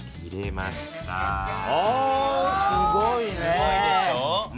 すごいでしょ？